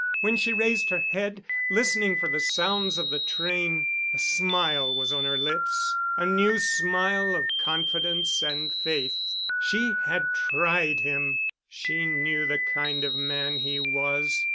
When she raised her head, listening for the sounds of the train, a smile was on her lips, a new smile of confidence and faith. She had tried him. She knew the kind of man he was.